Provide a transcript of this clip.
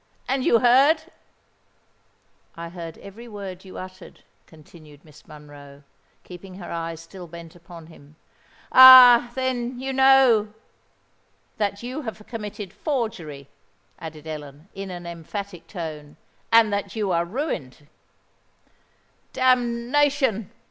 "And you heard——" "I heard every word you uttered," continued Miss Monroe, keeping her eyes still bent upon him. "Ah! then you know——" "That you have committed forgery," added Ellen, in an emphatic tone; "and that you are ruined!" "Damnation!"